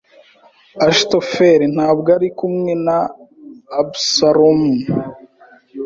Achitofeli ntabwo ari kumwe na Abusalomu